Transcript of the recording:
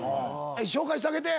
紹介してあげて。